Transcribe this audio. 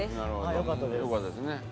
よかったです。